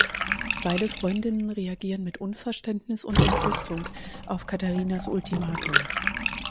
Beide Freundinnen reagieren mit Unverständnis und Entrüstung auf Katharinas Ultimatum.